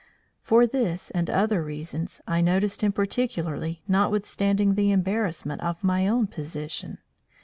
For this and other reasons I noticed him particularly notwithstanding the embarrassment of my own position.